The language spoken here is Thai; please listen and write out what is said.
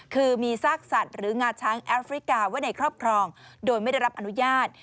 คือมีซากสัตว์หรืองาช้างแอฟริกาไว้ในครอบครองโดยไม่ได้รับอนุญาต